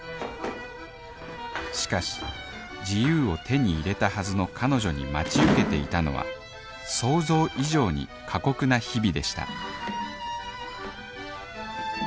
しかし自由を手に入れたはずの彼女に待ち受けていたのは想像以上に過酷な日々でした